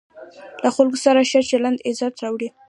له خلکو سره ښه چلند عزت راوړي.